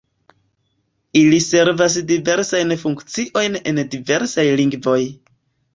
Ili servas diversajn funkciojn en diversaj lingvoj.